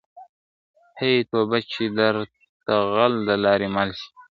هی توبه چي در ته غل د لاري مل سي,